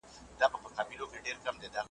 تر ماښامه پوري لویه هنگامه سوه ,